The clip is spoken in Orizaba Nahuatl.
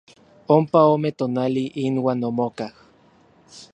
Ompa ome tonali inuan omokaj.